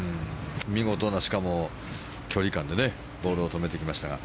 見事な距離感でボールを止めてきましたが。